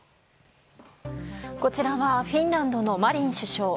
こちらはフィンランドのマリン首相。